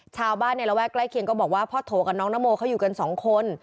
ชาวบ้านในระแวกใกล้เคียงก็บอกว่าพ่อโถกับน้องนโมเขาอยู่กันสองคน